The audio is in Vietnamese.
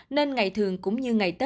nên ngày thường cũng như ngày trước